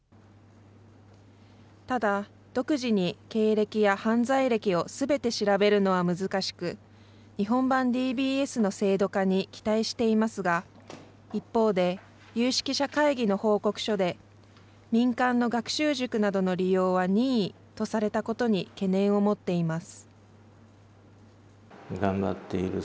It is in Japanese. ただ、独自に経歴や犯罪歴をすべて調べるのは難しく、日本版ＤＢＳの制度化に期待していますが、一方で、有識者会議の報告書で民間の学習塾などの利用は任意とされたことに懸念を持っています。